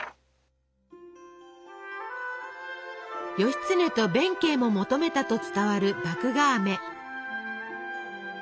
義経と弁慶も求めたと伝わる麦芽あめ。